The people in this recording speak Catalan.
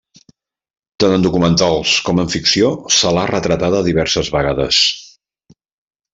Tant en documentals com en ficció, se l'ha retratada diverses vegades.